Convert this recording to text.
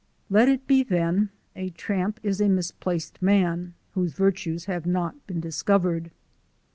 Let it be then a tramp is a misplaced man, whose virtues have not been discovered.